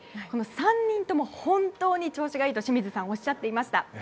この３人とも本当に調子がいいと清水さんおっしゃっていました。